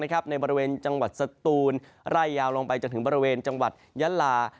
ในบริเวณจังหวัดสตูนไล่ยาวลงไปจนถึงบริเวณจังหวัดยะลา